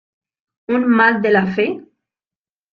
Un Mall de la Fe?